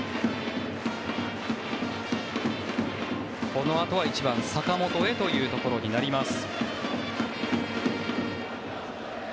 このあとは１番、坂本へというところになります。